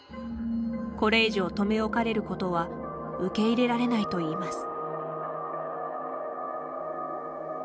これ以上、留め置かれることは受け入れられないといいます。